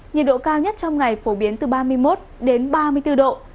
nhiệt độ cao nhất trong ngày phổ biến từ ba mươi một đến ba mươi bốn độ